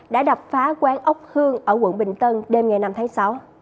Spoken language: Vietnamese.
đã đập phá quán ốc hương ở quận bình tân đêm ngày năm tháng sáu